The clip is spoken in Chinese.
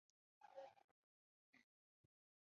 大鹏航空奇摩部落格